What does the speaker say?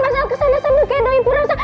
mas al kesana sambil kedo ibu rosa